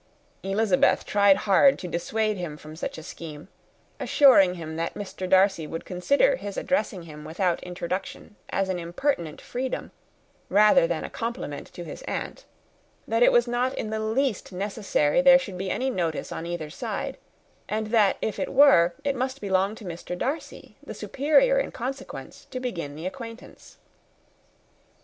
Elizabeth tried hard to dissuade him from such a scheme; assuring him that Mr. Darcy would consider his addressing him without introduction as an impertinent freedom, rather than a compliment to his aunt; that it was not in the least necessary there should be any notice on either side, and that if it were, it must belong to Mr. Darcy, the superior in consequence, to begin the acquaintance.